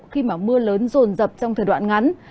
khi mưa lớn rồn rập trong thời đoạn ngắn